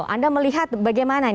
anda melihat bagaimana